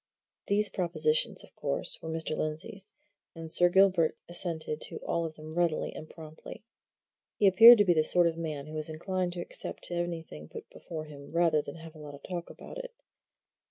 These propositions, of course, were Mr. Lindsey's, and Sir Gilbert assented to all of them readily and promptly. He appeared to be the sort of man who is inclined to accept anything put before him rather than have a lot of talk about it.